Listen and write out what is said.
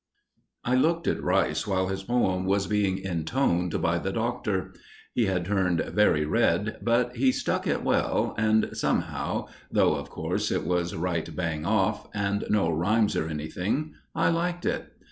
I looked at Rice while his poem was being intoned by the Doctor. He had turned very red, but he stuck it well, and somehow, though, of course, it was right bang off, and no rhymes or anything, I liked it.